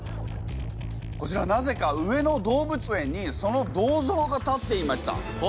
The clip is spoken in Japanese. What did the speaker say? こちらなぜか上野動物園にその銅像が建っていました。